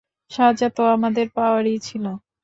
সাজাতো আমাদের পাওয়ারই ছিল।